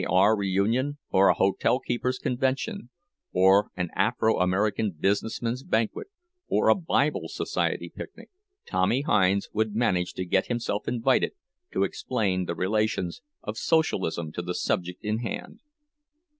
R. reunion, or a hotel keepers' convention, or an Afro American business men's banquet, or a Bible society picnic, Tommy Hinds would manage to get himself invited to explain the relations of Socialism to the subject in hand.